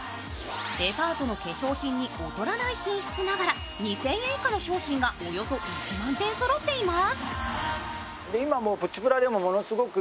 デパートの化粧品に劣らない品質ながら、２０００円以下の商品がおよそ１万点そろっています。